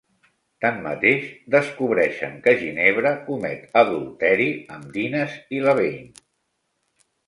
Tanmateix, descobreixen que Ginebra comet adulteri amb Dinas i Lavaine.